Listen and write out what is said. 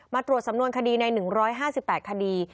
ตรวจสำนวนคดีใน๑๕๘คดี